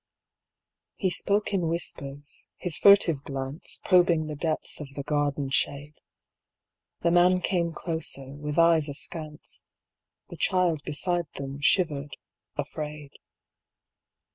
He spoke in whispers ; his furtive glance Probing the depths of the garden shade. The man came closer, with eyes askance. The child beside them shivered, afraid.